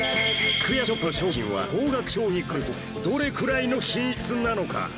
格安ショップの商品は高額商品に比べるとどれくらいの品質なのか？